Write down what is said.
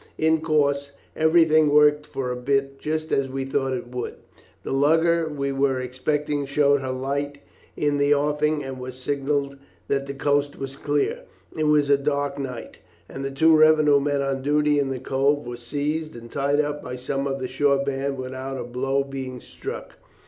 In course, everything worked for a bit just as we thought it would. The lugger we were expecting showed her light in the offing and was signalled that the coast was clear. It was a dark night, and the two revenue men on duty in the cove were seized and tied up by some of the shore band without a blow being struck.